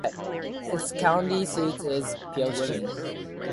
Its county seat is Pioche.